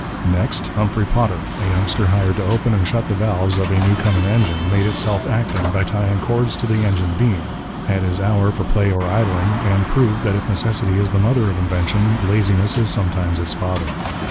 Next Humphrey Potter, a youngster hired to open and shut the valves of a Newcomen engine, made it self acting by tying cords to the engine beam, had his hour for play or idling, and proved that if necessity is the mother of invention, laziness is sometimes its father.